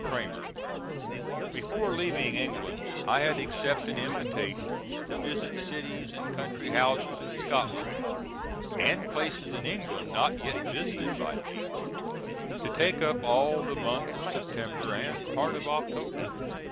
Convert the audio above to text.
CRAMER: Before leaving England I had accepted invitations to visit cities and country houses in Scotland and places in England not yet visited by me to take up all the month of September and part of October.